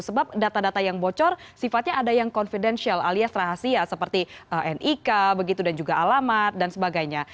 sebab data data yang bocor sifatnya ada yang confidential alias rahasia seperti nik begitu dan juga alamat dan sebagainya